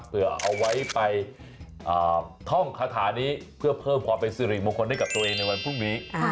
เพื่อเอาไว้ไปท่องคาถานี้เพื่อเพิ่มความเป็นสิริมงคลให้กับตัวเองในวันพรุ่งนี้